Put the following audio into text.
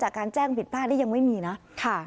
การแจ้งผิดพลาดนี่ยังไม่มีนะ